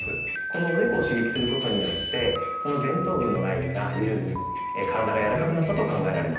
このおでこを刺激することによってその前頭部のラインが緩み体がやわらかくなったと考えられます。